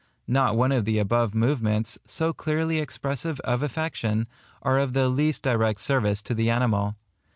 Not one of the above movements, so clearly expressive of affection, are of the least direct service to the animal.